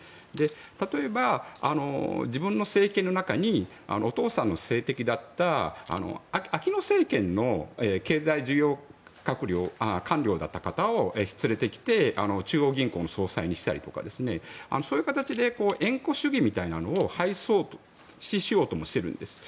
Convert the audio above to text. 例えば自分の政権の中にお父さんの政敵だったアキノ政権の経済重要官僚だった方を連れてきて中央銀行の総裁にしたりとかそういう形で縁故主義みたいなのを廃止しようとしているんです。